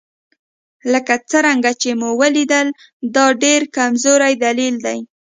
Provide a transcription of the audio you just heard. لکه څرنګه چې ومو لیدل دا ډېر کمزوری دلیل دی.